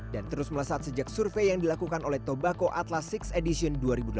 dan terus melesat sejak survei yang dilakukan oleh tobacco atlas enam edition dua ribu delapan belas